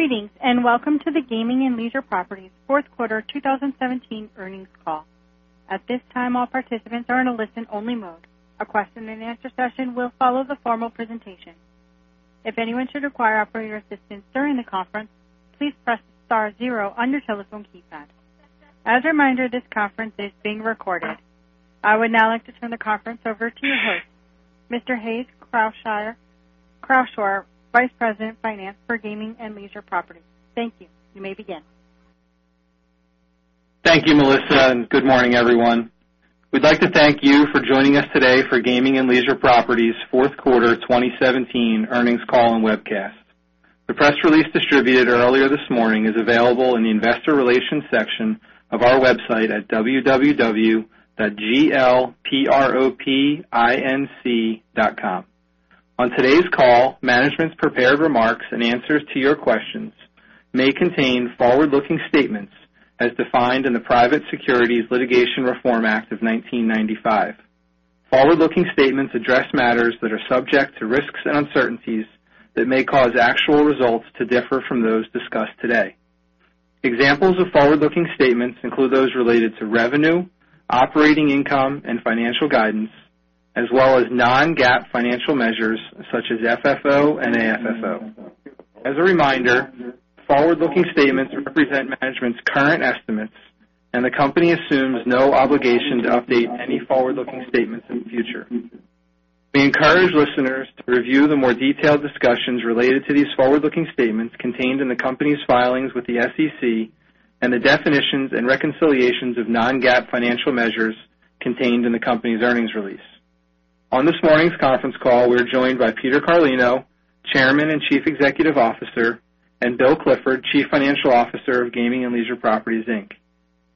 Greetings. Welcome to the Gaming and Leisure Properties fourth quarter 2017 earnings call. At this time, all participants are in a listen-only mode. A question and answer session will follow the formal presentation. If anyone should require operator assistance during the conference, please press star zero on your telephone keypad. As a reminder, this conference is being recorded. I would now like to turn the conference over to your host, Mr. Hayes Croushore, Vice President of Finance for Gaming and Leisure Properties. Thank you. You may begin. Thank you, Melissa. Good morning, everyone. We'd like to thank you for joining us today for Gaming and Leisure Properties fourth quarter 2017 earnings call and webcast. The press release distributed earlier this morning is available in the investor relations section of our website at www.glpropinc.com. On today's call, management's prepared remarks and answers to your questions may contain forward-looking statements as defined in the Private Securities Litigation Reform Act of 1995. Forward-looking statements address matters that are subject to risks and uncertainties that may cause actual results to differ from those discussed today. Examples of forward-looking statements include those related to revenue, operating income, and financial guidance, as well as non-GAAP financial measures such as FFO and AFFO. As a reminder, forward-looking statements represent management's current estimates, and the company assumes no obligation to update any forward-looking statements in the future. We encourage listeners to review the more detailed discussions related to these forward-looking statements contained in the company's filings with the SEC and the definitions and reconciliations of non-GAAP financial measures contained in the company's earnings release. On this morning's conference call, we're joined by Peter Carlino, Chairman and Chief Executive Officer, and Bill Clifford, Chief Financial Officer of Gaming and Leisure Properties, Inc.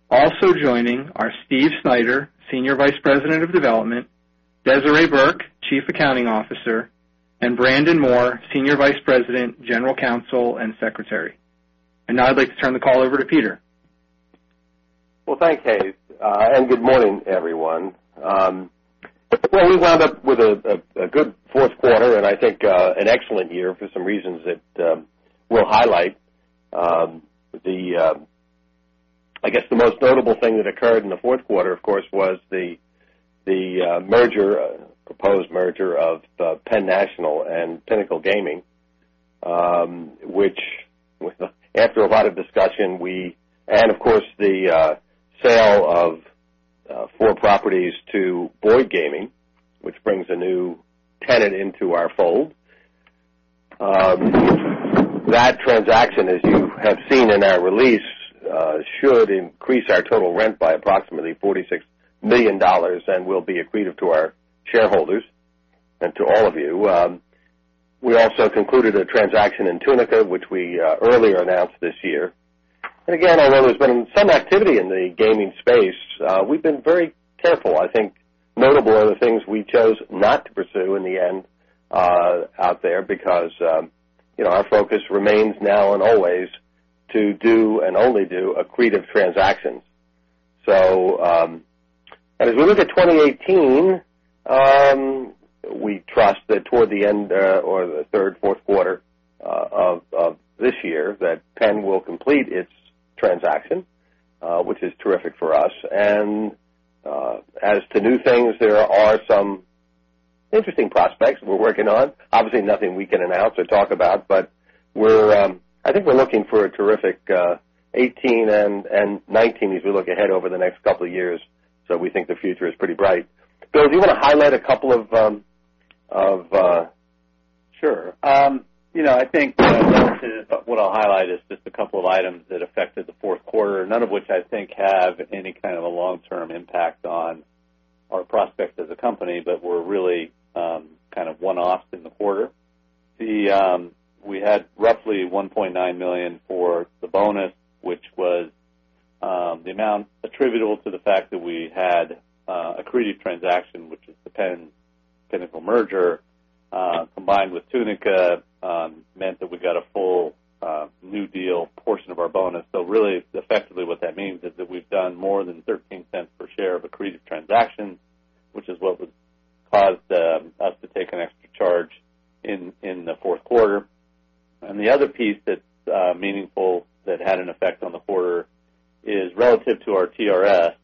Also joining are Steve Snyder, Senior Vice President of Development, Desiree Burke, Chief Accounting Officer, and Brandon Moore, Senior Vice President, General Counsel, and Secretary. Now I'd like to turn the call over to Peter. Well, thanks, Hayes. Good morning, everyone. Well, we wound up with a good fourth quarter, and I think an excellent year for some reasons that we'll highlight. I guess the most notable thing that occurred in the fourth quarter, of course, was the proposed merger of Penn National and Pinnacle Gaming, which after a lot of discussion, and of course, the sale of four properties to Boyd Gaming, which brings a new tenant into our fold. That transaction, as you have seen in our release, should increase our total rent by approximately $46 million and will be accretive to our shareholders and to all of you. We also concluded a transaction in Tunica, which we earlier announced this year. Again, although there's been some activity in the gaming space, we've been very careful. I think notable are the things we chose not to pursue in the end out there because our focus remains now and always to do and only do accretive transactions. As we look at 2018, we trust that toward the end or the third, fourth quarter of this year, that Penn will complete its transaction, which is terrific for us. As to new things, there are some interesting prospects we're working on. Obviously, nothing we can announce or talk about, we think we're looking for a terrific 2018 and 2019 as we look ahead over the next couple of years. We think the future is pretty bright. Bill, do you want to highlight a couple of Sure. I think relative, what I'll highlight is just a couple of items that affected the fourth quarter, none of which I think have any kind of a long-term impact on our prospects as a company, but were really kind of one-off in the quarter. We had roughly $1.9 million for the bonus, which was the amount attributable to the fact that we had accretive transaction, which is the Penn Pinnacle merger, combined with Tunica, meant that we got a full new deal portion of our bonus. Really, effectively, what that means is that we've done more than $0.13 per share of accretive transaction, which is what would cause us to take an extra charge in the fourth quarter. The other piece that's meaningful that had an effect on the quarter is relative to our TRS,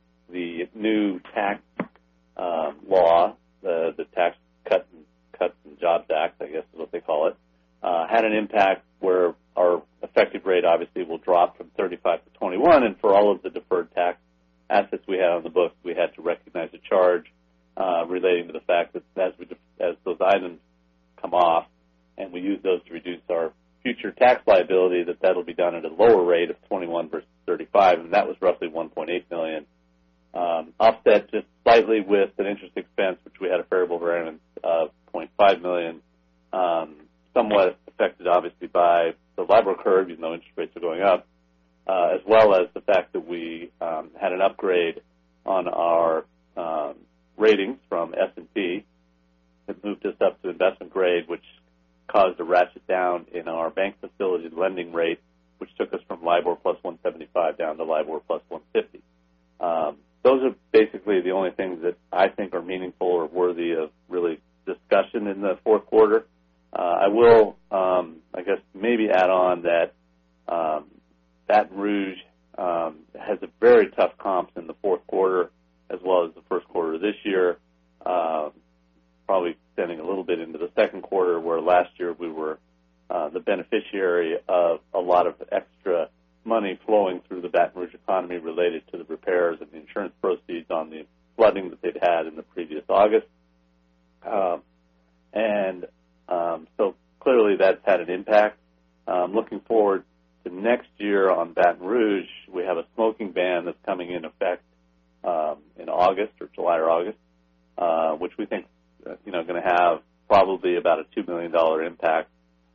probably about a $2 million impact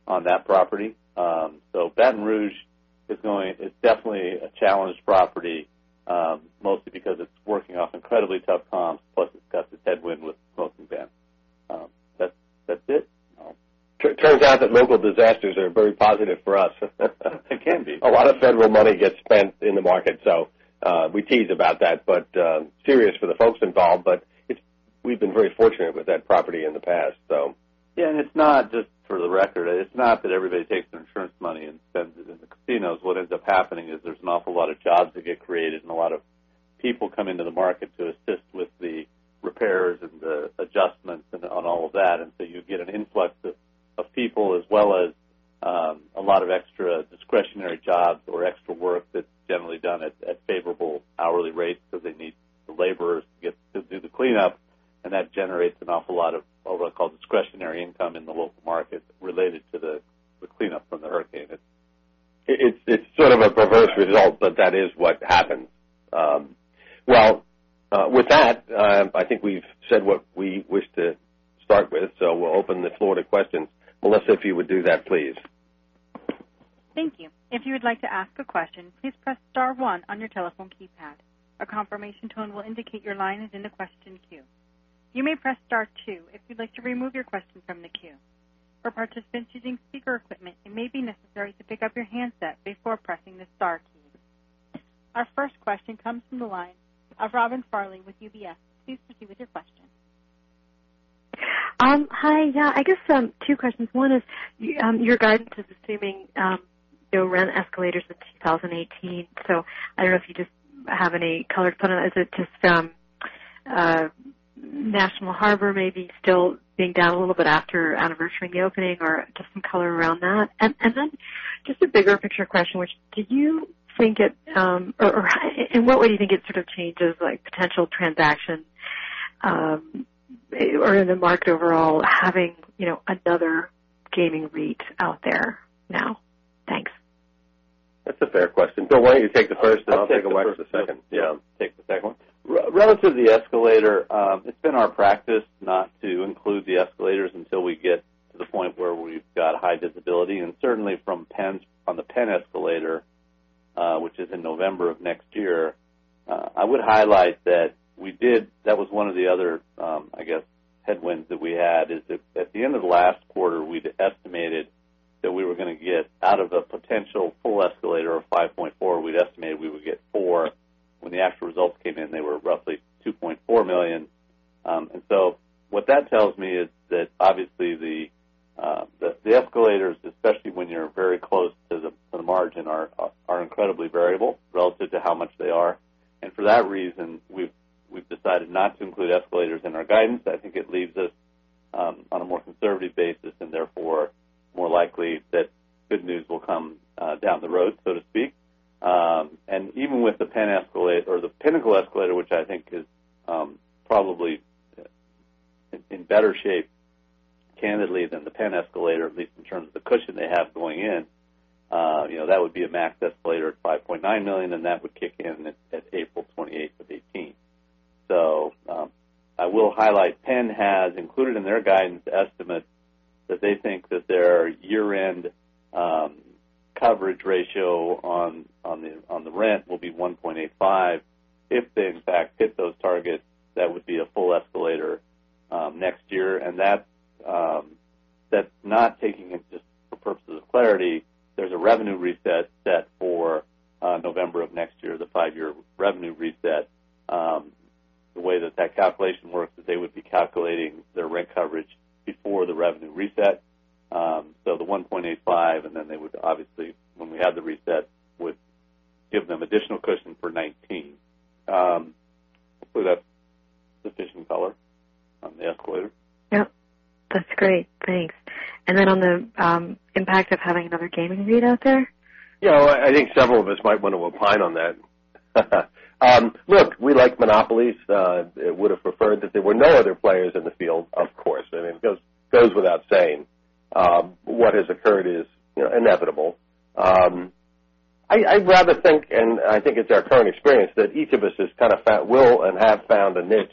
on that property. Baton Rouge is definitely a challenged property, mostly because it's working off incredibly tough comps, plus it's got this headwind with the smoking ban. That's it. Turns out that local disasters are very positive for us. They can be. A lot of federal money gets spent in the market, we tease about that, but serious for the folks involved. We've been very fortunate with that property in the past. Yeah, just for the record, it's not that everybody takes their insurance money and spends it in the casinos. What ends up happening is there's an awful lot of jobs that get created and a lot of people come into the market to assist with the repairs and the adjustments and on all of that. You get an influx of people as well as a lot of extra discretionary jobs or extra work that's generally done at favorable hourly rates because they need the laborers to do the cleanup, and that generates an awful lot of what I call discretionary income in the local market related to the cleanup from the hurricane. It's sort of a perverse result, but that is what happens. Well, with that, I think we've said what we wish to start with, so we'll open the floor to questions. Melissa, if you would do that, please. Thank you. If you would like to ask a question, please press star one on your telephone keypad. A confirmation tone will indicate your line is in the question queue. You may press star two if you'd like to remove your question from the queue. For participants using speaker equipment, it may be necessary to pick up your handset before pressing the star key. Our first question comes from the line of Robin Farley with UBS. Please proceed with your question. Hi. Yeah, I guess two questions. One is, your guidance is assuming no rent escalators in 2018. I don't know if you just have any color to put on it. Is it just National Harbor maybe still being down a little bit after anniversarying the opening or just some color around that? Just a bigger picture question, which did you think or in what way do you think it sort of changes, like potential transactions or in the market overall having another gaming REIT out there now? Thanks. That's a fair question. Why don't you take the first, and I'll take a whack at the second? Yeah. Take the second one. Relative to the escalator, it's been our practice not to include the escalators until we get to the point where we've got high visibility and certainly from on the Penn Escalator, which is in November of next year. I would highlight that was one of the other, I guess, headwinds that we had, is that at the end of last quarter, we'd estimated that we were going to get out of a potential full escalator of $5.4 million, we'd estimated we would get $4 million. When the actual results came in, they were roughly $2.4 million. What that tells me is that obviously the escalators, especially when you're very close to the margin, are incredibly variable relative to how much they are. For that reason, we've decided not to include escalators in our guidance. I think it leaves us on a more conservative basis and therefore more likely that good news will come down the road, so to speak. Even with the Penn Escalator or the Pinnacle Escalator, which I think is probably in better shape, candidly, than the Penn Escalator, at least in terms of the cushion they have going in. That would be a max escalator at $5.9 million, and that would kick in at April 28th of 2018. I will highlight, Penn has included in their guidance estimates that they think that their year-end coverage ratio on the rent will be 1.85. If they in fact hit those targets, that would be a full escalator next year. Just for purposes of clarity, there's a revenue reset set for November of next year, the five-year revenue reset. The way that calculation works is they would be calculating their rent coverage before the revenue reset. The 1.85, and then they would obviously, when we had the reset, would give them additional cushion for 2019. Hopefully, that's sufficient color on the escalator. Yep. That's great. Thanks. On the impact of having another gaming REIT out there? Yeah, I think several of us might want to opine on that. Look, we like monopolies. Would have preferred that there were no other players in the field, of course. I mean, it goes without saying. What has occurred is inevitable. I'd rather think, and I think it's our current experience, that each of us has kind of found, will and have found a niche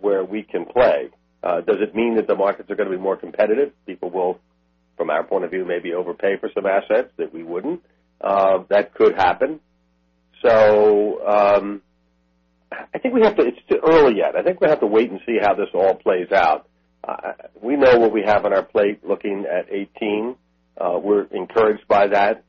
where we can play. Does it mean that the markets are going to be more competitive? People will, from our point of view, maybe overpay for some assets that we wouldn't. That could happen. I think it's still early yet. I think we have to wait and see how this all plays out. We know what we have on our plate looking at 2018. We're encouraged by that.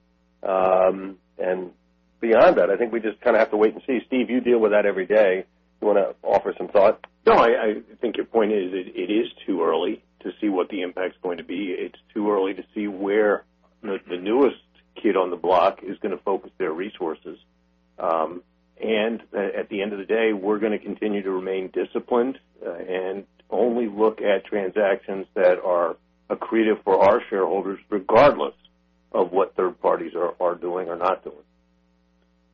Beyond that, I think we just kind of have to wait and see. Steve, you deal with that every day. You want to offer some thought? No, I think your point is, it is too early to see what the impact is going to be. It's too early to see where the newest kid on the block is going to focus their resources. At the end of the day, we're going to continue to remain disciplined and only look at transactions that are accretive for our shareholders, regardless of what third parties are doing or not doing.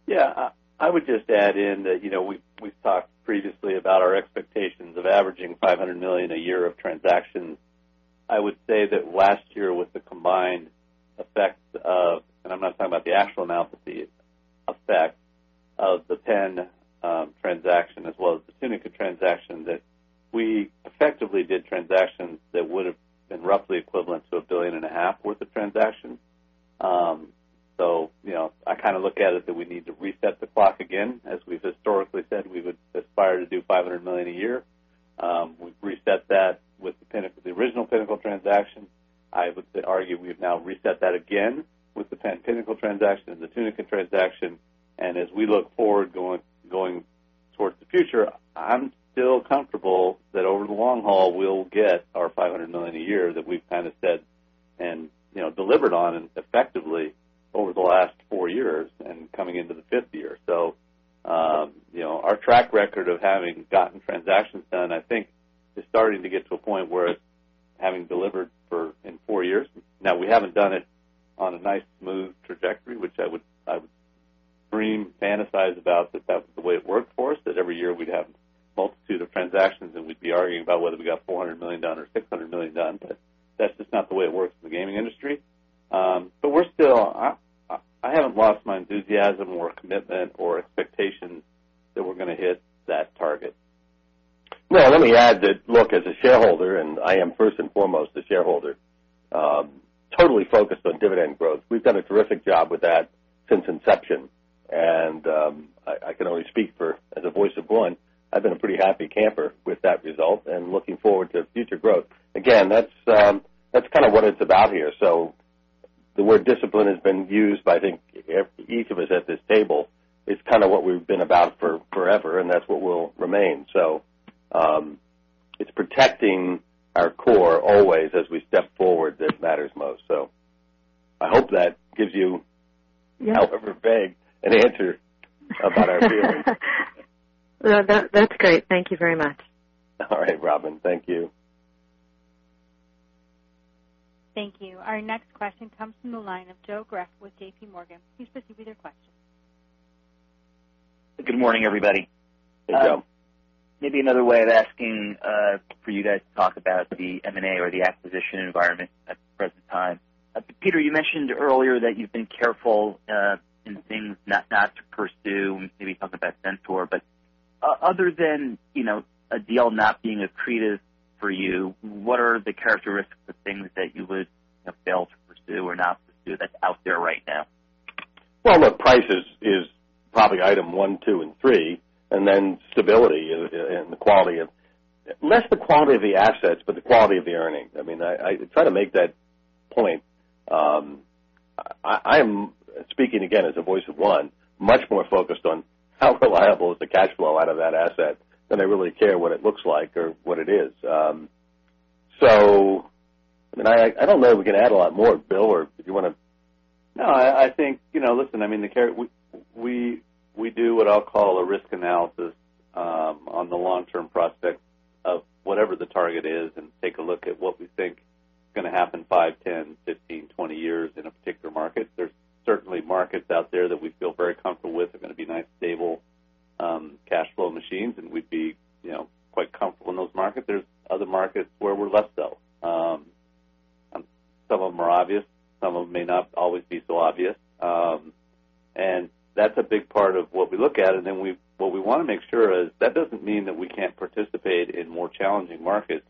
Yeah. I would just add in that we've talked previously about our expectations of averaging $500 million a year of transactions. I would say that last year, with the combined effect of, I'm not talking about the actual amount, but the effect of the Penn transaction as well as the Tunica transaction, that we effectively did transactions that would have been roughly equivalent to a billion and a half worth of transactions. I look at it that we need to reset the clock again. As we've historically said, we would aspire to do $500 million a year. We've reset that with the original Pinnacle transaction. I would argue we've now reset that again with the Penn Pinnacle transaction and the Tunica transaction. As we look forward going towards the future, I'm still comfortable that over the long haul, we'll get our $500 million a year that we've kind of said and delivered on effectively over the last four years and coming into the fifth year. Our track record of having gotten transactions done, I think, is starting to get to a point where it's having delivered in four years. We haven't done it on a nice, smooth trajectory, which I would dream, fantasize about that that was the way it worked for us, that every year we'd have a multitude of transactions, and we'd be arguing about whether we got $400 million done or $600 million done, that's just not the way it works in the gaming industry. I haven't lost my enthusiasm or commitment or expectation that we're going to hit that target. Let me add that, look, as a shareholder, and I am first and foremost a shareholder, totally focused on dividend growth. We've done a terrific job with that since inception. I can only speak for, as a voice of one, I've been a pretty happy camper with that result and looking forward to future growth. Again, that's kind of what it's about here. The word discipline has been used by, I think, each of us at this table. It's kind of what we've been about forever, and that's what we'll remain. It's protecting our core always as we step forward, that matters most. Yes however vague, an answer about our feelings. That's great. Thank you very much. All right, Robin. Thank you. Thank you. Our next question comes from the line of Joe Greff with J.P. Morgan. Please proceed with your question. Good morning, everybody. Hey, Joe. Maybe another way of asking for you guys to talk about the M&A or the acquisition environment at the present time. Peter, you mentioned earlier that you've been careful in things not to pursue, when maybe you talked about Centaur. Other than a deal not being accretive for you, what are the characteristics of things that you would fail to pursue or not pursue that's out there right now? Well, look, price is probably item one, two, and three, and then stability and the quality of-- less the quality of the assets, but the quality of the earnings. I try to make that point. I'm speaking, again, as a voice of one, much more focused on how reliable is the cash flow out of that asset than I really care what it looks like or what it is. I don't know if we can add a lot more, Bill, or did you want to? No, I think, listen, we do what I'll call a risk analysis on the long-term prospect of whatever the target is and take a look at what we think is going to happen five, 10, 15, 20 years in a particular market. There's certainly markets out there that we feel very comfortable with. They're going to be nice, stable cash flow machines, and we'd be quite comfortable in those markets. There's other markets where we're less so. Some of them are obvious, some of them may not always be so obvious. That's a big part of what we look at. What we want to make sure is that doesn't mean that we can't participate in more challenging markets,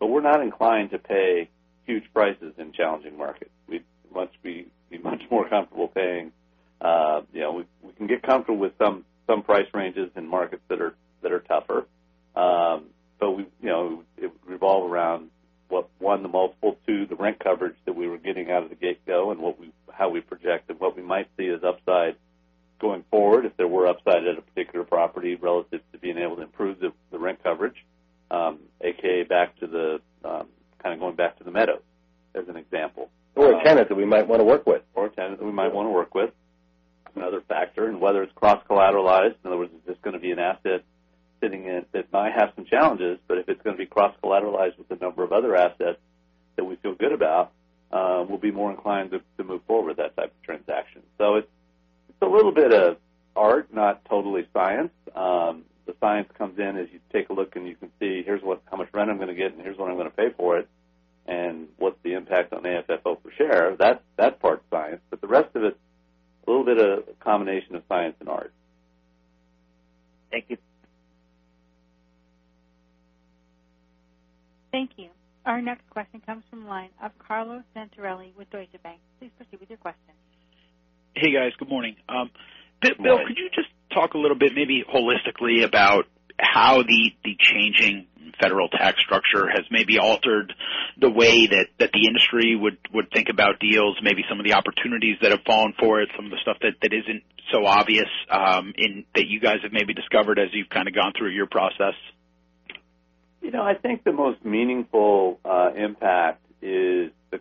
but we're not inclined to pay huge prices in challenging markets. We'd much more comfortable. We can get comfortable with some price ranges in markets that are tougher. It would revolve around what, one, the multiple, two, the rent coverage that we were getting out of the get-go and how we project and what we might see as upside going forward if there were upside at a particular property relative to being able to improve the rent coverage, AKA kind of going back to the Meadows, as an example. A tenant that we might want to work with. A tenant that we might want to work with. Another factor, whether it's cross-collateralized. In other words, is this going to be an asset. It might have some challenges, but if it's going to be cross-collateralized with a number of other assets that we feel good about, we'll be more inclined to move forward with that type of transaction. It's a little bit of art, not totally science. The science comes in as you take a look and you can see, here's how much rent I'm going to get, and here's what I'm going to pay for it, and what's the impact on AFFO per share. That part's science. The rest of it, a little bit of a combination of science and art. Thank you. Thank you. Our next question comes from the line of Carlo Santarelli with Deutsche Bank. Please proceed with your question. Hey, guys. Good morning. Good morning. Bill, could you just talk a little bit, maybe holistically, about how the changing federal tax structure has maybe altered the way that the industry would think about deals, maybe some of the opportunities that have fallen for it, some of the stuff that isn't so obvious, and that you guys have maybe discovered as you've gone through your process? I think the most meaningful impact is the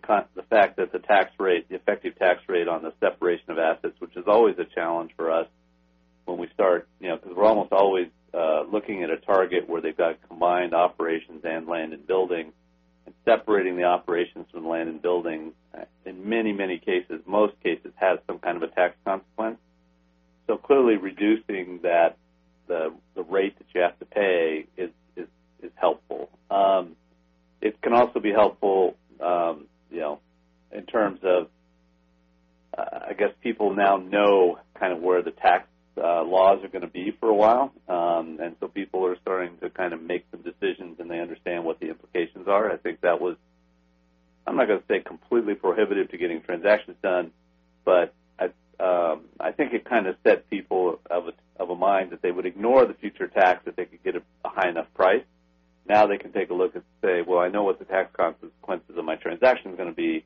fact that the effective tax rate on the separation of assets, which is always a challenge for us when we start, because we're almost always looking at a target where they've got combined operations and land and buildings, and separating the operations from land and buildings, in many cases, most cases, has some kind of a tax consequence. Clearly reducing the rate that you have to pay is helpful. It can also be helpful in terms of, I guess, people now know where the tax laws are going to be for a while. People are starting to make some decisions, and they understand what the implications are. I think that was, I'm not going to say completely prohibitive to getting transactions done. I think it set people of a mind that they would ignore the future tax if they could get a high enough price. Now they can take a look and say, "Well, I know what the tax consequences of my transaction is going to be."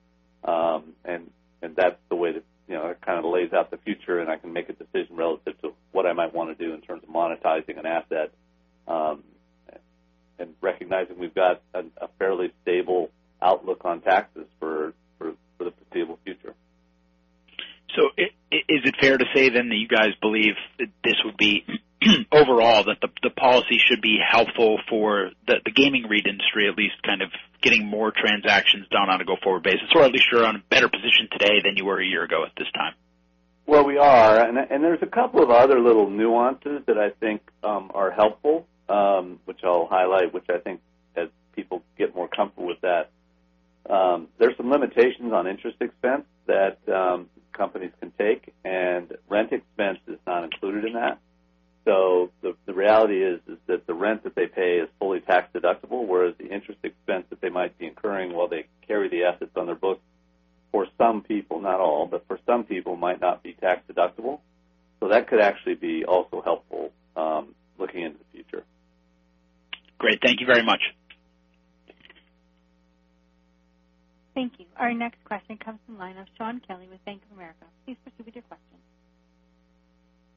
That's the way that it lays out the future. I can make a decision relative to what I might want to do in terms of monetizing an asset, recognizing we've got a fairly stable outlook on taxes for the foreseeable future. Is it fair to say then that you guys believe that this would be, overall, that the policy should be helpful for the gaming REIT industry, at least kind of getting more transactions done on a go-forward basis? At least you're in a better position today than you were a year ago at this time? Well, we are, and there's a couple of other little nuances that I think are helpful, which I'll highlight, which I think as people get more comfortable with that. There's some limitations on interest expense that companies can take, and rent expense is not included in that. The reality is that the rent that they pay is fully tax-deductible, whereas the interest expense that they might be incurring while they carry the assets on their books, for some people, not all, but for some people, might not be tax-deductible. That could actually be also helpful looking into the future. Great. Thank you very much. Thank you. Our next question comes from the line of Shaun Kelley with Bank of America. Please proceed with your question.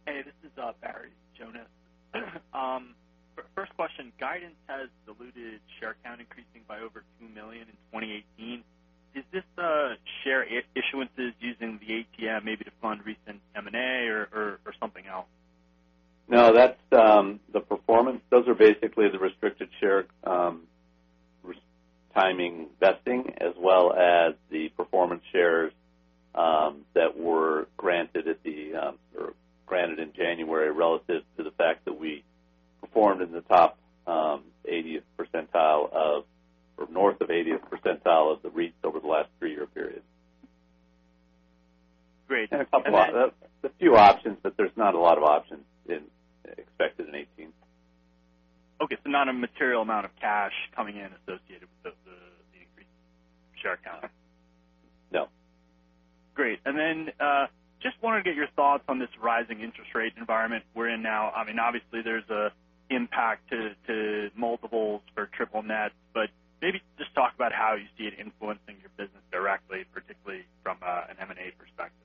Hey, this is Barry Jonas. First question, guidance has diluted share count increasing by over 2 million in 2018. Is this share issuances using the ATM, maybe to fund recent M&A or something else? No, that's the performance. Those are basically the restricted share timing vesting, as well as the performance shares that were granted in January relative to the fact that we performed in the top 80th percentile or north of 80th percentile of the REITs over the last three-year period. Great. A few options, but there's not a lot of options expected in 2018. Okay. Not a material amount of cash coming in associated with the increased share count. No. Great. Then, just wanted to get your thoughts on this rising interest rate environment we're in now. Obviously, there's an impact to multiples for triple net, but maybe just talk about how you see it influencing your business directly, particularly from an M&A perspective.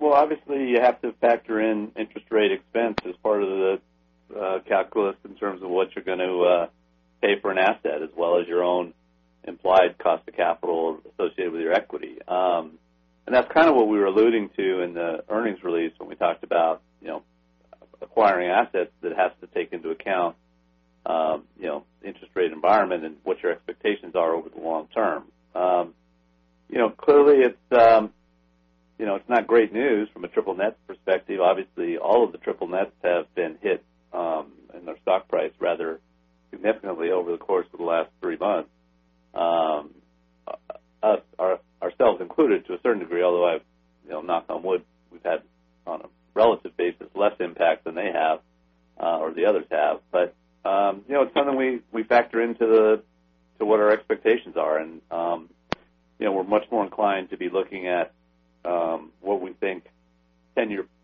Well, obviously, you have to factor in interest rate expense as part of the calculus in terms of what you're going to pay for an asset, as well as your own implied cost of capital associated with your equity. That's kind of what we were alluding to in the earnings release when we talked about acquiring assets that have to take into account interest rate environment and what your expectations are over the long term. Clearly, it's not great news from a triple net perspective. Obviously, all of the triple nets have been hit in their stock price rather significantly over the course of the last three months. Us, ourselves included to a certain degree, although, knock on wood, we've had, on a relative basis, less impact than they have, or the others have. It's something we factor into what our expectations are, and we're much more inclined to be looking at what we think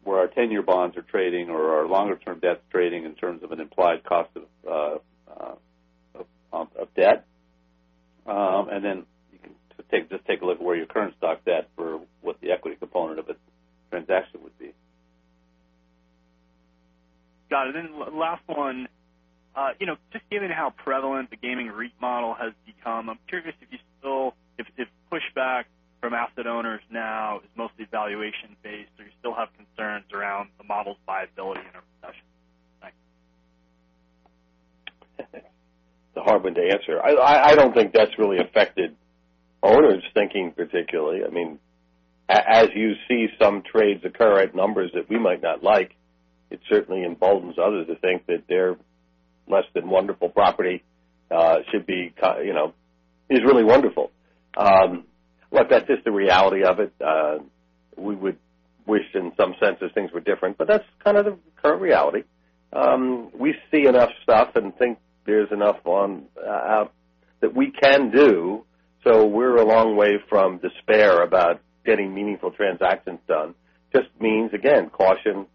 where our 10-year bonds are trading or our longer-term debts trading in terms of an implied cost of debt. Then you can just take a look at where your current stock's at for what the equity component of a transaction would be. Got it. Last one. Just given how prevalent the gaming REIT model has become, I'm curious if pushback from asset owners now is mostly valuation-based, or you still have concerns around the model's viability in a recession? Thanks. It's a hard one to answer. I don't think that's really affected owners' thinking, particularly. As you see some trades occur at numbers that we might not like, it certainly emboldens others to think that their less-than-wonderful property is really wonderful. Look, that's just the reality of it. We would wish in some senses things were different, but that's kind of the current reality. We see enough stuff and think there's enough that we can do, we're a long way from despair about getting meaningful transactions done. It just means, again, caution,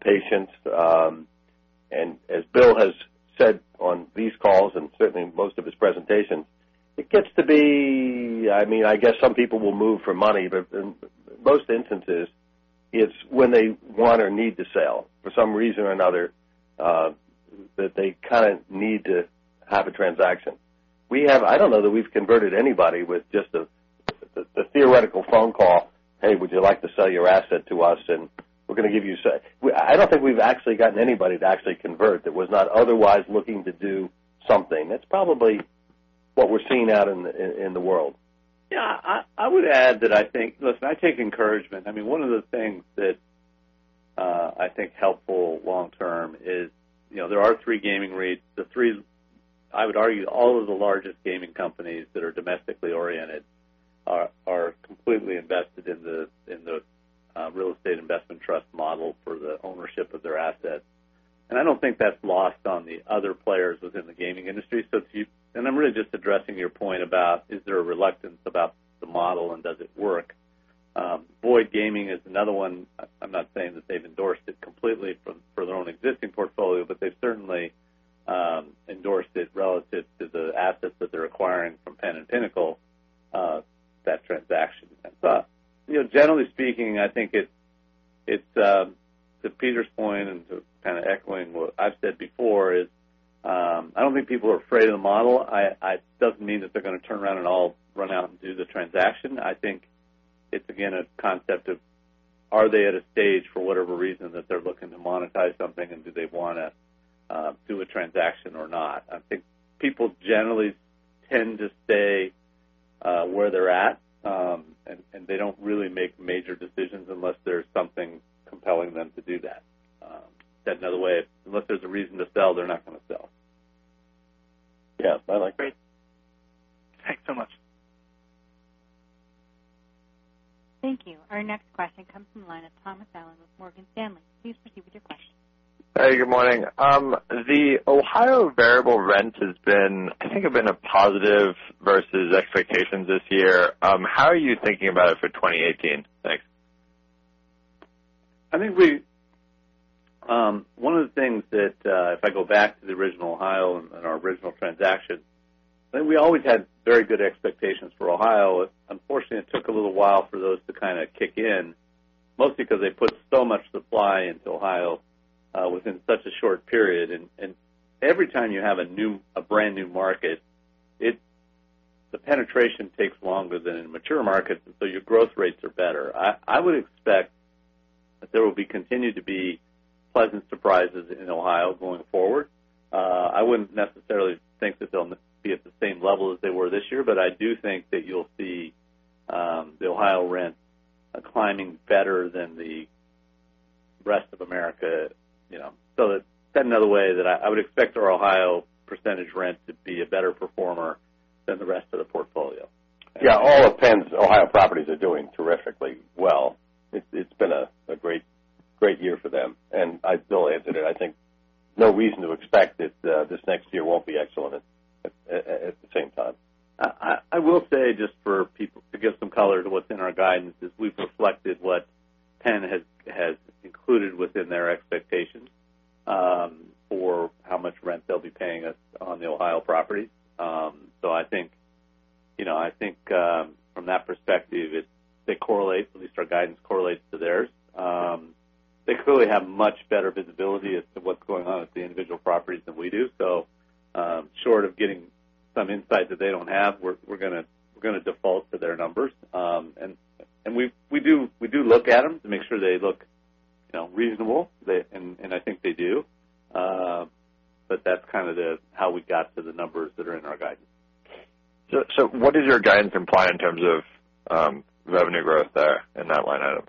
patience. As Bill Clifford has said on these calls and certainly most of his presentations, it gets to be, I guess some people will move for money, but in most instances, it's when they want or need to sell for some reason or another, that they kind of need to have a transaction. I don't know that we've converted anybody with just a theoretical phone call, "Hey, would you like to sell your asset to us? And we're going to give you" I don't think we've actually gotten anybody to actually convert that was not otherwise looking to do something. That's probably what we're seeing out in the world. Yeah. I would add that Listen, I take encouragement. One of the things that I think helpful long term is, there are three gaming REITs. I would argue all of the largest gaming companies that are domestically oriented are completely invested in the real estate investment trust model for the ownership of their assets. I don't think that's lost on the other players within the gaming industry. I'm really just addressing your point about, is there a reluctance about the model, and does it work? Boyd Gaming is another one. I'm not saying that they've endorsed it completely for their own existing portfolio, but they've certainly endorsed it relative to the assets that they're acquiring from Penn and Pinnacle, that transaction. Generally speaking, I think to Peter Carlino's point, and to kind of echoing what I've said before, is I don't think people are afraid of the model. It doesn't mean that they're going to turn around and all run out and do the transaction. I think it's, again, a concept of, are they at a stage for whatever reason that they're looking to monetize something, and do they want to do a transaction or not? I think people generally tend to stay where they're at, and they don't really make major decisions unless there's something compelling them to do that. Said another way, unless there's a reason to sell, they're not going to sell. Yeah. I like that. Great. Thanks so much. Thank you. Our next question comes from the line of Thomas Allen with Morgan Stanley. Please proceed with your question. Hey, good morning. The Ohio variable rent has been, I think, have been a positive versus expectations this year. How are you thinking about it for 2018? Thanks. One of the things that, if I go back to the original Ohio and our original transaction, we always had very good expectations for Ohio. Unfortunately, it took a little while for those to kind of kick in, mostly because they put so much supply into Ohio within such a short period. Every time you have a brand-new market, the penetration takes longer than in mature markets, your growth rates are better. I would expect that there will be continued to be pleasant surprises in Ohio going forward. I wouldn't necessarily think that they'll be at the same level as they were this year, but I do think that you'll see the Ohio rent climbing better than the rest of America. Said another way, that I would expect our Ohio percentage rent to be a better performer than the rest of the portfolio. Yeah. All of Penn's Ohio properties are doing terrifically well. It's been a great year for them, as Bill answered it, I think no reason to expect that this next year won't be excellent at the same time. I will say, just to give some color to what's in our guidance, is we've reflected what Penn has included within their expectations for how much rent they'll be paying us on the Ohio property. I think from that perspective, they correlate, at least our guidance correlates to theirs. They clearly have much better visibility as to what's going on at the individual properties than we do. Short of getting some insight that they don't have, we're going to default to their numbers. We do look at them to make sure they look reasonable, and I think they do. That's kind of how we got to the numbers that are in our guidance. What does your guidance imply in terms of revenue growth there in that line item?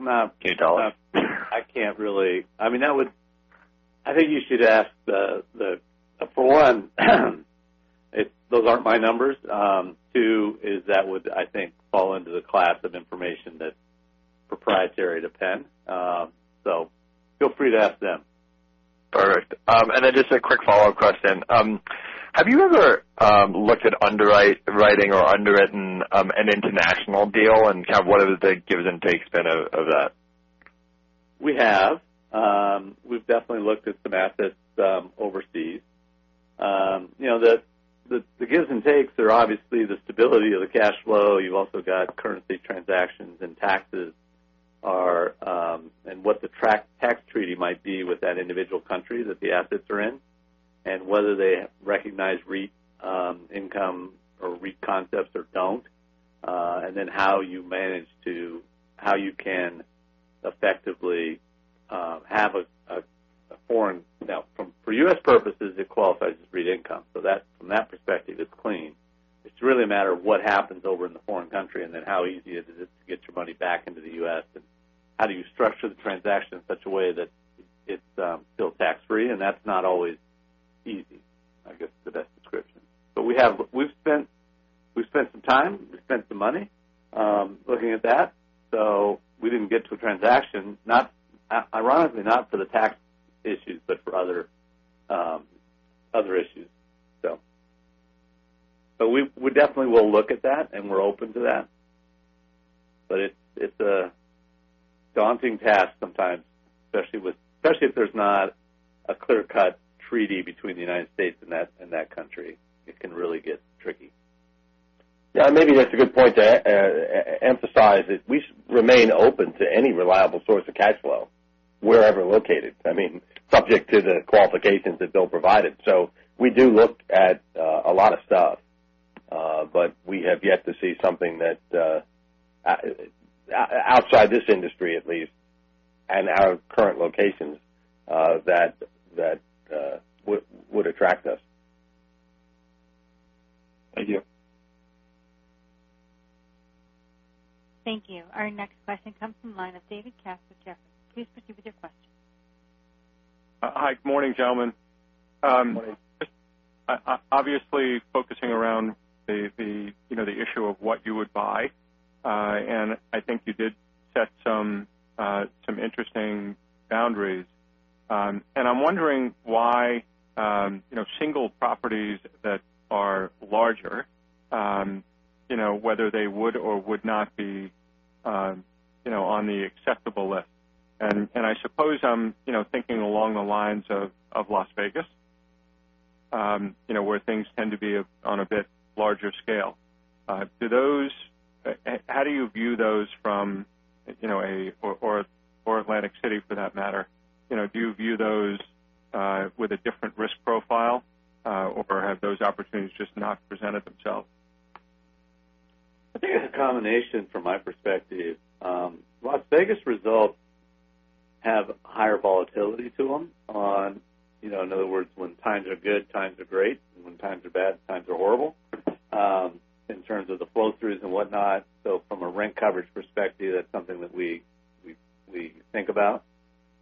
No. Can you tell us? I can't really. I think you should ask for one, those aren't my numbers. Two is that would, I think, fall into the class of information that's proprietary to Penn. Feel free to ask them. All right. Just a quick follow-up question. Have you ever looked at underwriting or underwritten an international deal and kind of what are the gives and takes been of that? We have. We've definitely looked at some assets overseas. The gives and takes are obviously the stability of the cash flow. You've also got currency transactions and taxes, and what the tax treaty might be with that individual country that the assets are in, and whether they recognize REIT income or REIT concepts or don't. How you can effectively have Now, for U.S. purposes, it qualifies as REIT income. From that perspective, it's clean. It's really a matter of what happens over in the foreign country, how easy it is to get your money back into the U.S., and how do you structure the transaction in such a way that it's still tax-free, and that's not always easy We've spent some time, we've spent some money looking at that. We didn't get to a transaction, ironically, not for the tax issues, but for other issues. We definitely will look at that, and we're open to that. It's a daunting task sometimes, especially if there's not a clear-cut treaty between the U.S. and that country. It can really get tricky. Maybe that's a good point to emphasize, that we remain open to any reliable source of cash flow, wherever located, subject to the qualifications that Bill provided. We do look at a lot of stuff, but we have yet to see something that, outside this industry at least, and our current locations, that would attract us. Thank you. Thank you. Our next question comes from the line of David Katz with Jefferies. Please proceed with your question. Hi. Good morning, gentlemen. Good morning. Just obviously focusing around the issue of what you would buy, I think you did set some interesting boundaries. I'm wondering why single properties that are larger whether they would or would not be on the acceptable list. I suppose I'm thinking along the lines of Las Vegas where things tend to be on a bit larger scale. How do you view those from Atlantic City for that matter. Do you view those with a different risk profile? Have those opportunities just not presented themselves? I think it's a combination from my perspective. Las Vegas results have higher volatility to them on, in other words, when times are good, times are great, and when times are bad, times are horrible in terms of the flow throughs and whatnot. From a rent coverage perspective, that's something that we think about.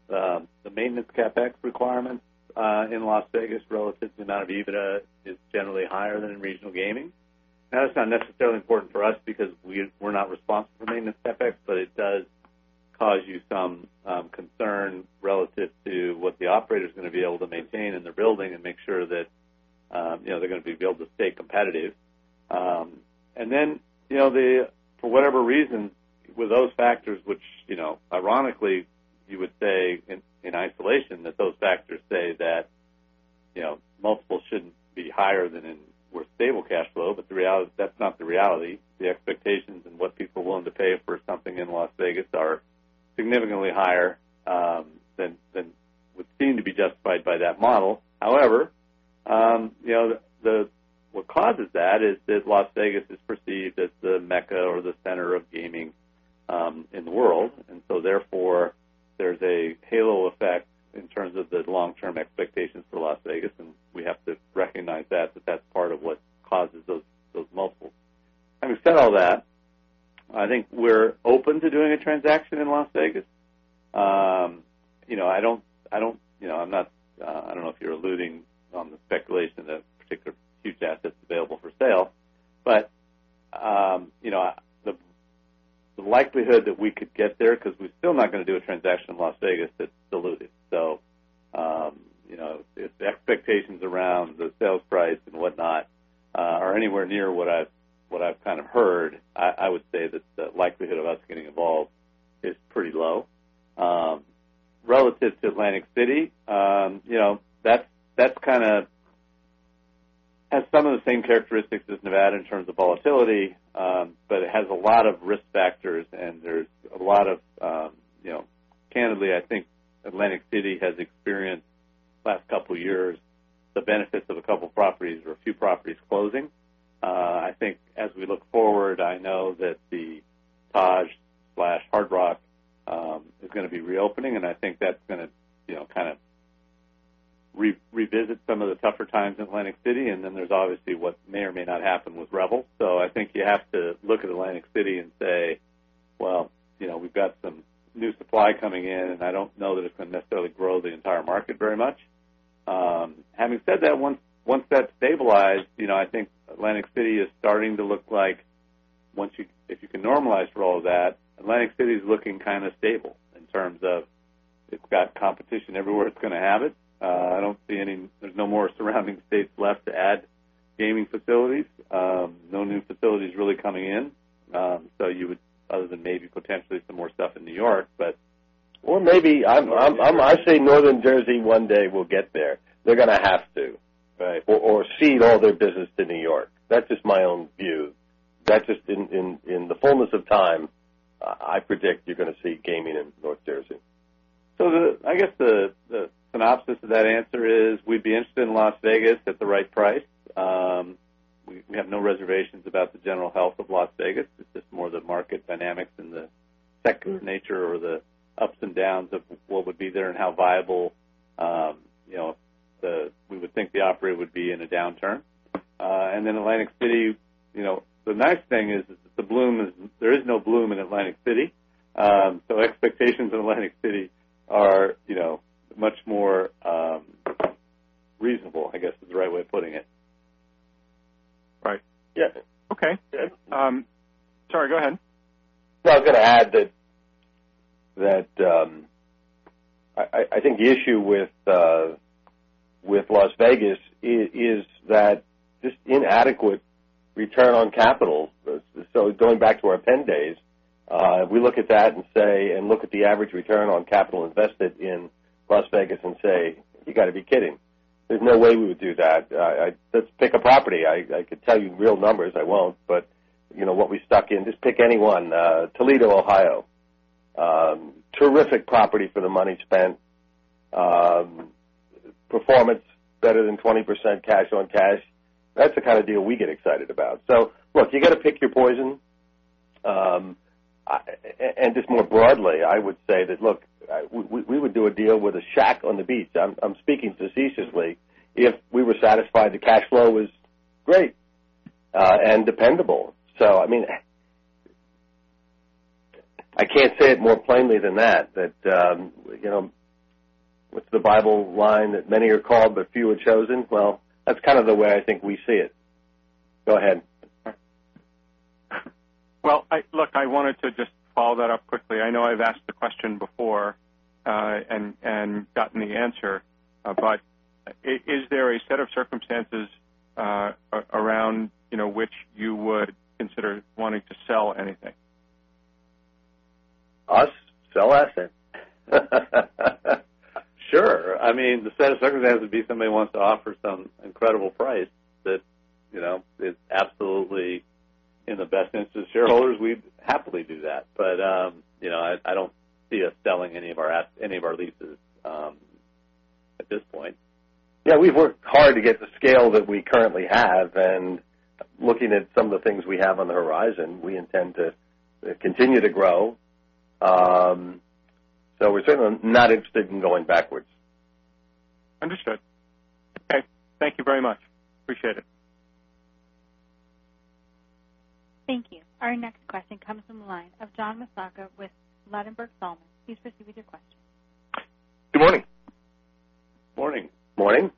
The maintenance CapEx requirements in Las Vegas relative to amount of EBITDA is generally higher than in regional gaming. That's not necessarily important for us because we're not responsible for maintenance CapEx, but it does cause you some concern relative to what the operator's going to be able to maintain in their building and make sure that they're going to be able to stay competitive. For whatever reason, with those factors, which ironically you would say in isolation, that those factors say that multiples shouldn't be higher than in more stable cash flow. That's not the reality. The expectations and what people are willing to pay for something in Las Vegas are significantly higher than would seem to be justified by that model. However, what causes that is Las Vegas is perceived as the mecca or the center of gaming in the world. Therefore, there's a halo effect in terms of the long-term expectations for Las Vegas, and we have to recognize that that's part of what causes those multiples. Having said all that, I think we're open to doing a transaction in Las Vegas. I don't know if you're alluding on the speculation of particular huge assets available for sale, but the likelihood that we could get there, because we're still not going to do a transaction in Las Vegas, that's diluted. If the expectations around the sales price and whatnot are anywhere near what I've kind of heard, I would say that the likelihood of us getting involved is pretty low. Relative to Atlantic City, that has some of the same characteristics as Nevada in terms of volatility, but it has a lot of risk factors. Candidly, I think Atlantic City has experienced the last couple of years, the benefits of a couple properties or a few properties closing. I think as we look forward, I know that the Taj/Hard Rock is going to be reopening, and I think that's going to kind of revisit some of the tougher times in Atlantic City. There's obviously what may or may not happen with Revel. I think you have to look at Atlantic City and say, well, we've got some new supply coming in, and I don't know that it's going to necessarily grow the entire market very much. Having said that, once that's stabilized, I think Atlantic City is starting to look like, if you can normalize for all of that, Atlantic City is looking kind of stable in terms of it's got competition everywhere it's going to have it. There's no more surrounding states left to add gaming facilities. No new facilities really coming in other than maybe potentially some more stuff in New York. Maybe, I say Northern Jersey one day will get there. They're going to have to. Right. Cede all their business to New York. That's just my own view. That's just in the fullness of time, I predict you're going to see gaming in North Jersey. I guess the synopsis of that answer is we'd be interested in Las Vegas at the right price. We have no reservations about the general health of Las Vegas. It's just more the market dynamics and the secular nature or the ups and downs of what would be there and how viable we would think the operator would be in a downturn. Atlantic City, the nice thing is there is no bloom in Atlantic City Expectations in Atlantic City are much more reasonable, I guess, is the right way of putting it. Right. Yeah. Okay. Sorry, go ahead. No, I was going to add that I think the issue with Las Vegas is that just inadequate return on capital. Going back to our Penn days, if we look at that and look at the average return on capital invested in Las Vegas and say, "You got to be kidding. There's no way we would do that." Just pick a property. I could tell you real numbers, I won't, but what we stuck in. Just pick any one. Toledo, Ohio. Terrific property for the money spent. Performance better than 20% cash on cash. That's the kind of deal we get excited about. Look, you got to pick your poison. Just more broadly, I would say that, look, we would do a deal with a shack on the beach, I'm speaking facetiously, if we were satisfied the cash flow was great and dependable. I can't say it more plainly than that. What's the Bible line? That many are called, but few are chosen? That's kind of the way I think we see it. Go ahead. Look, I wanted to just follow that up quickly. I know I've asked the question before, and gotten the answer, but is there a set of circumstances, around which you would consider wanting to sell anything? Us? Sell assets? Sure. The set of circumstances would be somebody wants to offer some incredible price that is absolutely in the best interest of shareholders, we'd happily do that. I don't see us selling any of our leases at this point. Yeah, we've worked hard to get the scale that we currently have, and looking at some of the things we have on the horizon, we intend to continue to grow. We're certainly not interested in going backwards. Understood. Okay. Thank you very much. Appreciate it. Thank you. Our next question comes from the line of John Massocca with Ladenburg Thalmann. Please proceed with your question. Good morning. Morning. Morning.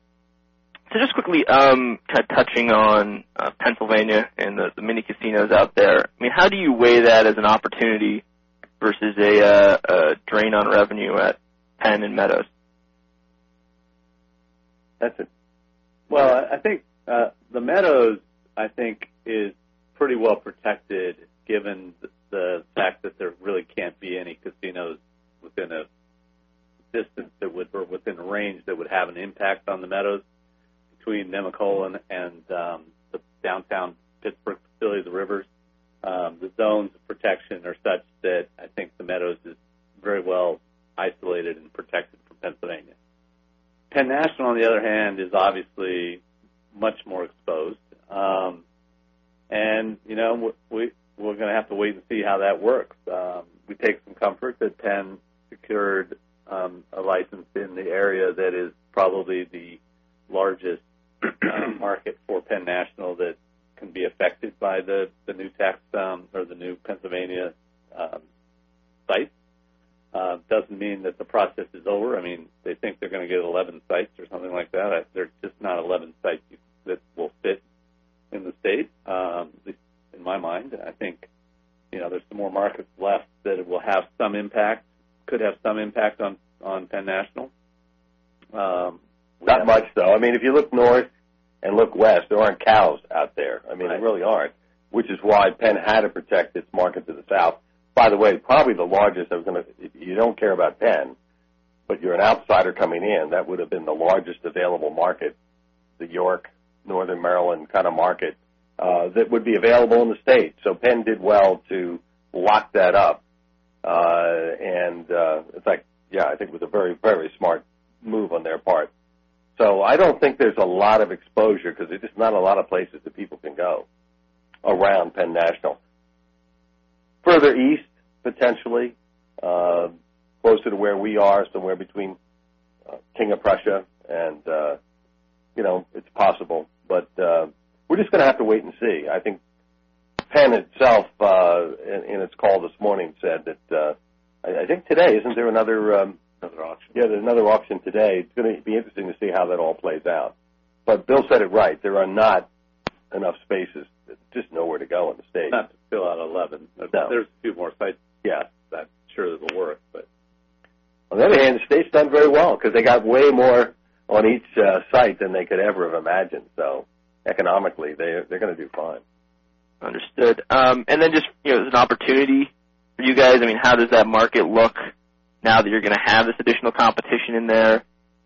Just quickly, touching on Pennsylvania and the mini casinos out there. How do you weigh that as an opportunity versus a drain on revenue at Penn and The Meadows? Matthew? I think, The Meadows, I think is pretty well protected given the fact that there really can't be any casinos within a distance or within a range that would have an impact on The Meadows between Nemacolin and the downtown Pittsburgh facility, The Rivers. The zones of protection are such that I think The Meadows is very well isolated and protected from Pennsylvania. Penn National, on the other hand, is obviously much more exposed. We're going to have to wait and see how that works. We take some comfort that Penn secured a license in the area that is probably the largest market for Penn National that can be affected by the new tax or the new Pennsylvania site. Doesn't mean that the process is over. They think they're going to get 11 sites or something like that. There's just not 11 sites that will fit in the state, at least in my mind. I think there's some more markets left that could have some impact on Penn National. Not much, though. If you look north and look west, there aren't cows out there. Right. There really aren't, which is why Penn had to protect its market to the south. By the way, probably the largest, if you don't care about Penn, but you're an outsider coming in, that would've been the largest available market, the York, Northern Maryland kind of market, that would be available in the state. Penn did well to lock that up. In fact, yeah, I think it was a very smart move on their part. I don't think there's a lot of exposure because there's just not a lot of places that people can go around Penn National. Further east, potentially, closer to where we are, somewhere between King of Prussia and it's possible. We're just going to have to wait and see. I think Penn itself, in its call this morning, said that, I think today, isn't there another- Another auction. Yeah, there's another auction today. It's going to be interesting to see how that all plays out. Bill said it right. There are not enough spaces. There's just nowhere to go in the state. Not to fill out 11. No. There's a few more sites. Yeah. Not sure they will work. On the other hand, the state's done very well because they got way more on each site than they could ever have imagined. Economically, they're going to do fine. Understood. Just as an opportunity for you guys, how does that market look now that you're going to have this additional competition in there?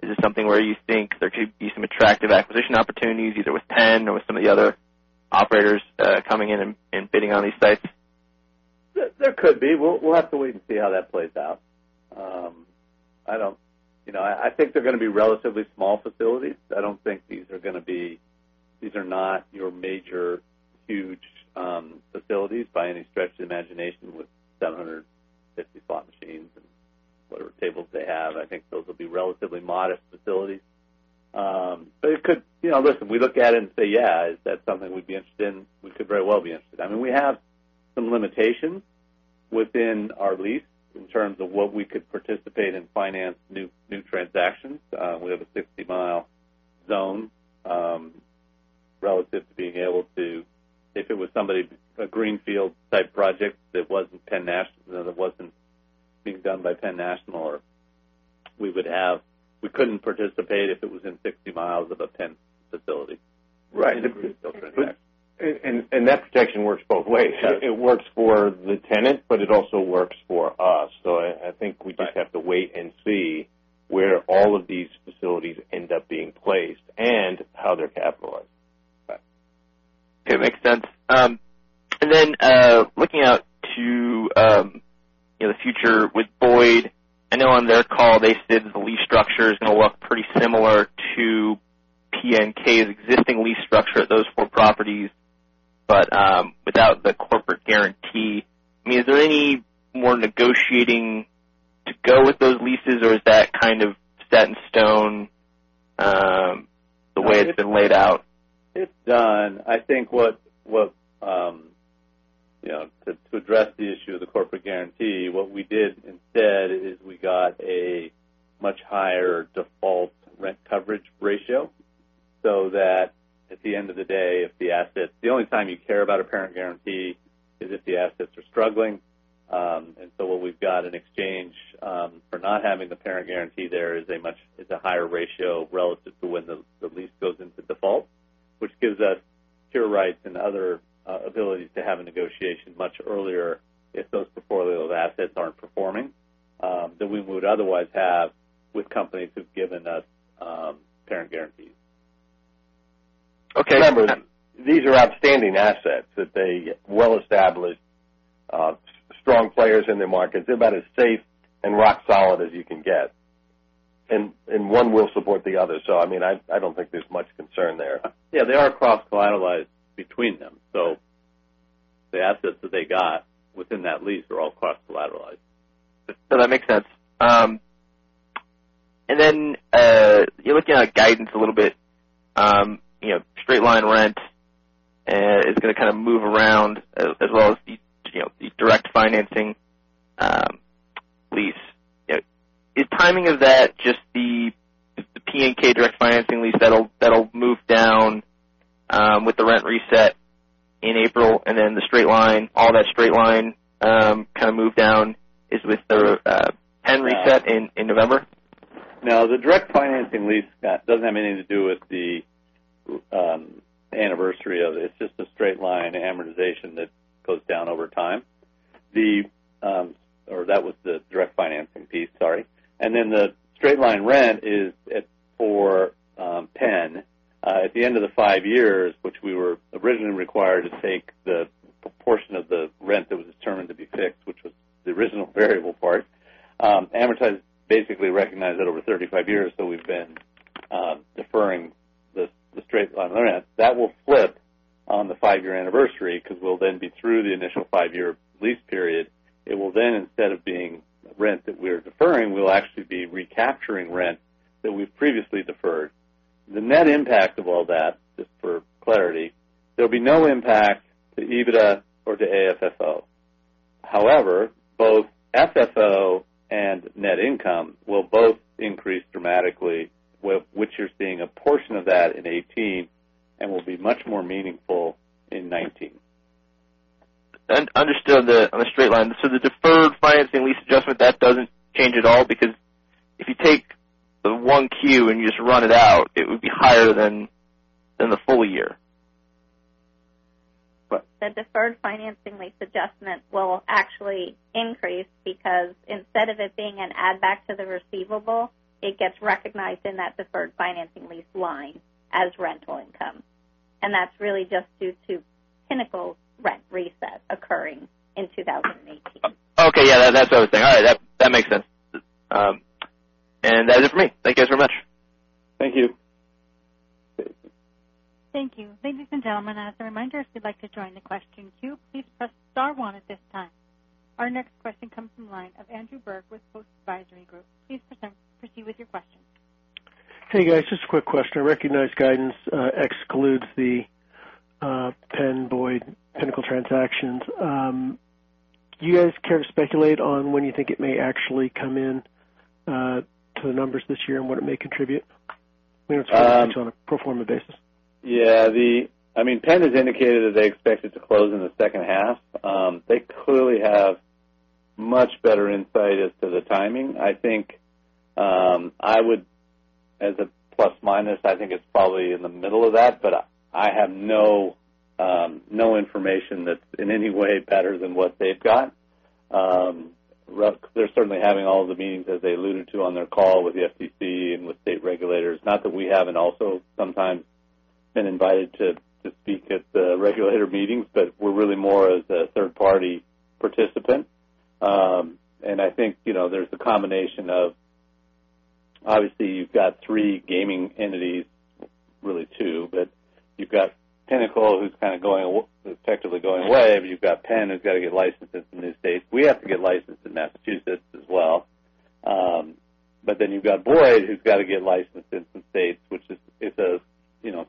Is it something where you think there could be some attractive acquisition opportunities, either with Penn or with some of the other operators coming in and bidding on these sites? There could be. We'll have to wait and see how that plays out. I think they're going to be relatively small facilities. These are not your major huge facilities by any stretch of the imagination with 750 slot machines and whatever tables they have. I think those will be relatively modest facilities. Listen, we look at it and say, "Yeah, is that something we'd be interested in?" We could very well be interested. We have some limitations within our lease in terms of what we could participate and finance new transactions. We have a 60-mile zone relative to being able to If it was somebody, a greenfield-type project that wasn't being done by Penn National, we couldn't participate if it was within 60 miles of a Penn facility. Right. That protection works both ways. It works for the tenant, but it also works for us. I think we just have to wait and see where all of these facilities end up being placed and how they're capitalized. Right. Okay, makes sense. Looking out to the future with Boyd, I know on their call, they said the lease structure is going to look pretty similar to PNK's existing lease structure at those four properties, but without the corporate guarantee. Is there any more negotiating to go with those leases, or is that kind of set in stone the way it's been laid out? It's done. I think to address the issue of the corporate guarantee, what we did instead is we got a much higher default rent coverage ratio, so that at the end of the day, the only time you care about a parent guarantee is if the assets are struggling. What we've got in exchange for not having the parent guarantee there is a higher ratio relative to when the lease goes into default, which gives us cure rights and other abilities to have a negotiation much earlier if those portfolio assets aren't performing, than we would otherwise have with companies who've given us parent guarantees. Okay. Remember, these are outstanding assets that they Well-established, strong players in their markets. They're about as safe and rock solid as you can get. One will support the other. I don't think there's much concern there. Yeah, they are cross-collateralized between them. The assets that they got within that lease are all cross-collateralized. That makes sense. Then, looking at guidance a little bit. Straight line rent is going to move around as well as the direct financing lease. Is timing of that just the PNK direct financing lease that'll move down with the rent reset in April, and then all that straight line move down is with the Penn reset in November? No, the direct financing lease, Scott, doesn't have anything to do with the anniversary of it. It's just a straight line amortization that goes down over time. That was the direct financing piece, sorry. The straight line rent is for Penn. At the end of the 5 years, which we were originally required to take the proportion of the rent that was determined to be fixed, which was the original variable part, amortized, basically recognized at over 35 years, so we've been deferring the straight line rent. That will flip on the 5-year anniversary because we'll then be through the initial 5-year lease period. Instead of being rent that we're deferring, we'll actually be recapturing rent that we've previously deferred. The net impact of all that, just for clarity, there'll be no impact to EBITDA or to AFFO. Both FFO and net income will both increase dramatically, which you're seeing a portion of that in 2018, and will be much more meaningful in 2019. Understood on the straight line. The deferred financing lease adjustment, that doesn't change at all? If you take the 1Q and you just run it out, it would be higher than the full year. The deferred financing lease adjustment will actually increase because instead of it being an add back to the receivable, it gets recognized in that deferred financing lease line as rental income. That's really just due to Pinnacle rent reset occurring in 2018. Okay. Yeah, that's what I was saying. All right. That makes sense. That is it for me. Thank you guys very much. Thank you. Thank you. Ladies and gentlemen, as a reminder, if you'd like to join the question queue, please press star one at this time. Our next question comes from the line of Andrew Berg with Post Advisory Group. Please proceed with your question. Hey, guys, just a quick question. I recognize guidance excludes the Penn Boyd Pinnacle transactions. Do you guys care to speculate on when you think it may actually come in to the numbers this year and what it may contribute? I mean, on a pro forma basis. Yeah. Penn has indicated that they expect it to close in the second half. They clearly have much better insight as to the timing. As a plus/minus, I think it's probably in the middle of that, but I have no information that's in any way better than what they've got. They're certainly having all the meetings, as they alluded to on their call with the FTC and with state regulators. Not that we haven't also sometimes been invited to speak at the regulator meetings, but we're really more as a third-party participant. I think there's a combination of, obviously you've got three gaming entities, really two, but you've got Pinnacle who's technically going away, but you've got Penn who's got to get licenses in these states. We have to get licensed in Massachusetts as well. You've got Boyd, who's got to get licensed in some states, which is a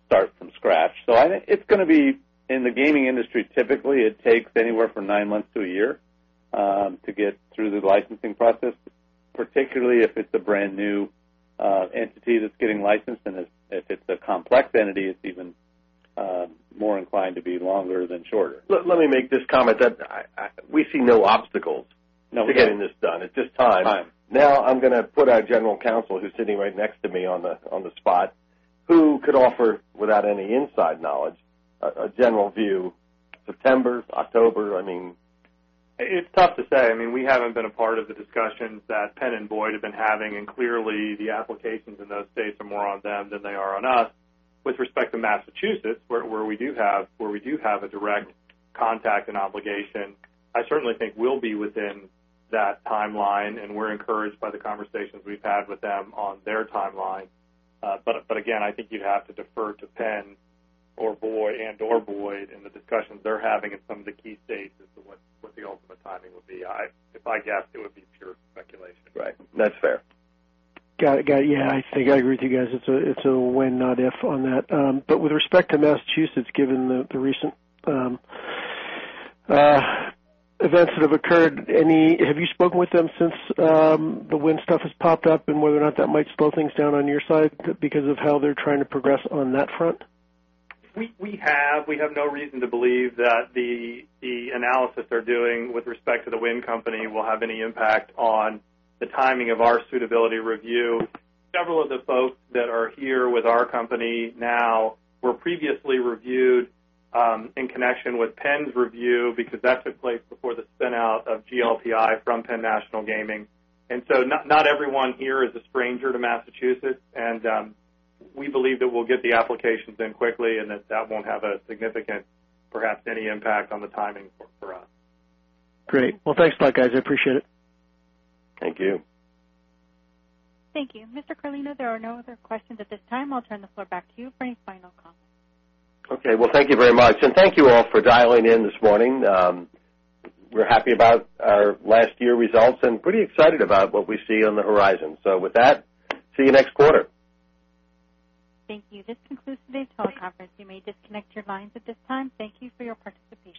start from scratch. I think it's going to be, in the gaming industry, typically, it takes anywhere from nine months to a year to get through the licensing process, particularly if it's a brand new entity that's getting licensed. If it's a complex entity, it's even more inclined to be longer than shorter. Let me make this comment. We see no obstacles to getting this done. It's just time. Time. I'm going to put our General Counsel, who's sitting right next to me, on the spot, who could offer, without any inside knowledge, a general view, September, October? It's tough to say. We haven't been a part of the discussions that Penn and Boyd have been having. Clearly the applications in those states are more on them than they are on us. With respect to Massachusetts, where we do have a direct contact and obligation, I certainly think we'll be within that timeline, and we're encouraged by the conversations we've had with them on their timeline. Again, I think you'd have to defer to Penn and/or Boyd and the discussions they're having in some of the key states as to what the ultimate timing would be. If I guessed, it would be pure speculation. Right. That's fair. Got it. Yeah, I think I agree with you guys. It's a when, not if on that. With respect to Massachusetts, given the recent events that have occurred, have you spoken with them since the Wynn stuff has popped up and whether or not that might slow things down on your side because of how they're trying to progress on that front? We have. We have no reason to believe that the analysis they're doing with respect to the Wynn company will have any impact on the timing of our suitability review. Several of the folks that are here with our company now were previously reviewed in connection with Penn's review because that took place before the spin-out of GLPI from Penn National Gaming. Not everyone here is a stranger to Massachusetts, and we believe that we'll get the applications in quickly and that that won't have a significant, perhaps any impact on the timing for us. Great. Well, thanks a lot, guys. I appreciate it. Thank you. Thank you. Mr. Carlino, there are no other questions at this time. I'll turn the floor back to you for any final comments. Okay. Well, thank you very much. Thank you all for dialing in this morning. We're happy about our last year results and pretty excited about what we see on the horizon. With that, see you next quarter. Thank you. This concludes today's teleconference. You may disconnect your lines at this time. Thank you for your participation